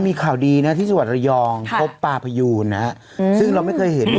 วันนี้อยู่เป็นเดือนนะ